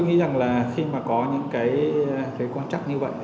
nghĩ rằng là khi mà có những cái quan trắc như vậy